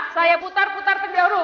saya putar putar terlebih dahulu